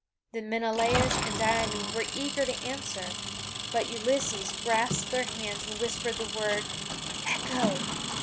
Then Menelaus and Diomede were eager to answer, but Ulysses grasped their hands and whispered the word "Echo!"